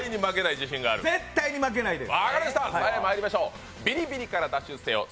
絶対に負けないです。